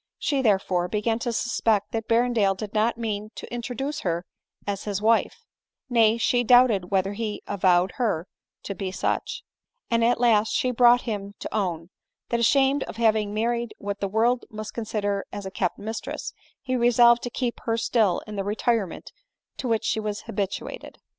She, therefore, began to suspect that Berrendale did not mean to intro duce her as his wife ; nay, she doubted whether he avowed her to be such ; and at last she brought him to own, that ashamed of having majried what the world must consider as a kept mistress, he resolved to keep her still in the retirement to which she was habituated.